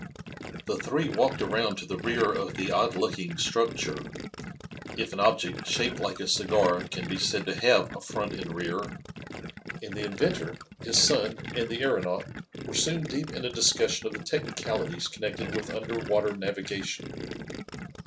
The three walked around to the rear of the odd looking structure, if an object shaped like a cigar can be said to have a front and rear, and the inventor, his son, and the aeronaut were soon deep in a discussion of the technicalities connected with under water navigation.